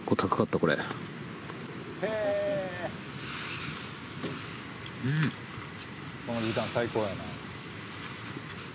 「この時間最高やな」